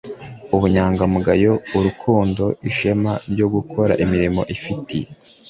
ubunyangamugayo, urukundo, ishema ryo gukora imirimo ifitiye